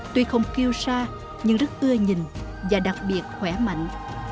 tuy không kiêu sa nhưng rất ưa nhìn và đặc biệt khỏe mạnh